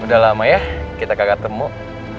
udah lama ya kita kagak temu